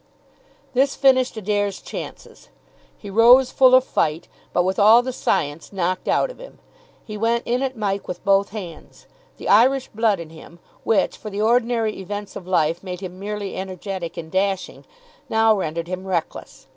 This finished Adair's chances. He rose full of fight, but with all the science knocked out of him. He went in at Mike with both hands. The Irish blood in him, which for the ordinary events of life made him merely energetic and dashing, now rendered him reckless.